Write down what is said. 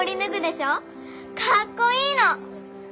かっこいいの！